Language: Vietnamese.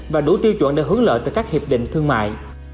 và đủ tiêu chuẩn để hướng lợi từ các hiệp định thương mại